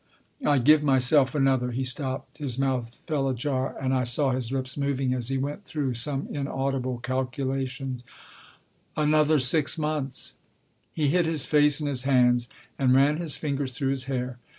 I give myself another " He stopped. His mouth Book I : My Book 27 fell ajar, and I saw his lips moving as he went through some inaudible calculation " another six months." He hid his face in his hands and ran his fingers through his hair.